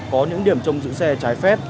có những điểm trong giữ xe trái phép